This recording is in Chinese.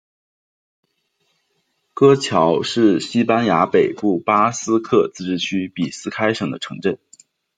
格乔是西班牙北部巴斯克自治区比斯开省的城镇。